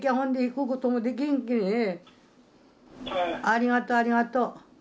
ありがとうありがとう。